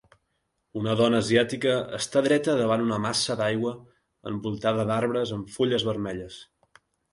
Una dona asiàtica està dreta davant una massa d'aigua envoltada d'arbres amb fulles vermelles.